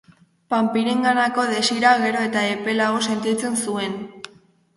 Panpirenganako desira gero eta epelago sentitzen zuen.